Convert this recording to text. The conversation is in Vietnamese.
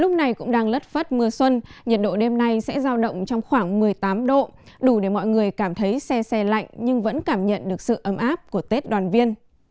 lúc này cũng đang lất phất mưa xuân nhiệt độ đêm nay sẽ giao động trong khoảng một mươi tám độ đủ để mọi người cảm thấy xe xe lạnh nhưng vẫn cảm nhận được sự ấm áp của tết đoàn viên